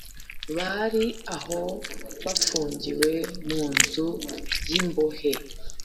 bari aho bafungiwe mu nzu y’ imbohe